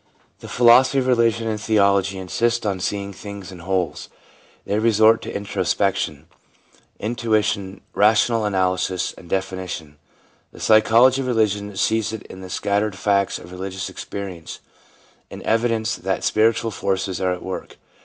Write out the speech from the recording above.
The philosophy of religion and theology insist on seeing things in wholes. They resort to introspection, intui tion, rational analysis and definition. The psychology of religion sees in the scattered facts of religious experi ence an evidence that spiritual forces are at work.